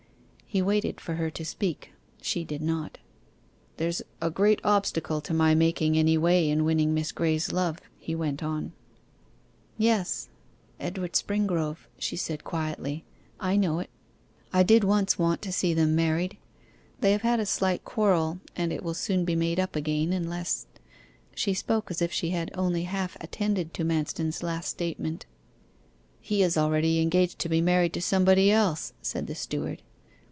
He waited for her to speak: she did not. 'There's a great obstacle to my making any way in winning Miss Graye's love,' he went on. 'Yes, Edward Springrove,' she said quietly. 'I know it, I did once want to see them married; they have had a slight quarrel, and it will soon be made up again, unless ' she spoke as if she had only half attended to Manston's last statement. 'He is already engaged to be married to somebody else,' said the steward.